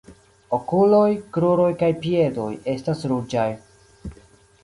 Okuloj, kruroj kaj piedoj estas ruĝaj.